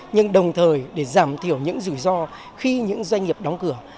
nhưng đồng thời để giảm thiểu những rủi ro khi những doanh nghiệp đóng cửa